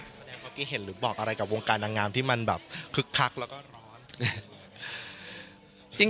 เมื่อกี้เห็นหรือบอกอะไรกับวงการดังงามที่มันแบบคึกคักแล้วก็ร้อน